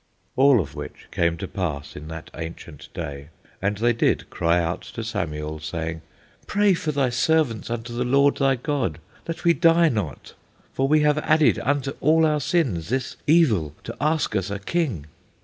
All of which came to pass in that ancient day, and they did cry out to Samuel, saying: "Pray for thy servants unto the Lord thy God, that we die not; for we have added unto all our sins this evil, to ask us a king."